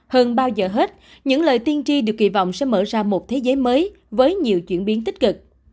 hơn bao giờ hết những lời tiên tri được kỳ vọng sẽ mở ra một thế giới mới với nhiều chuyển biến tích cực